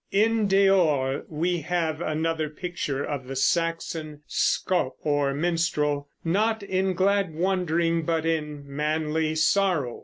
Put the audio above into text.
In "Deor" we have another picture of the Saxon scop, or minstrel, not in glad wandering, but in manly sorrow.